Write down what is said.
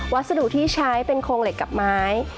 วัสดุที่ใช้เป็นโครงเหล็กกับไม้